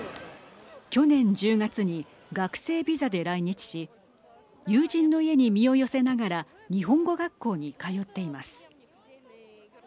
去年１０月に学生ビザで来日し友人の家に身を寄せながら日本語学校に通っています。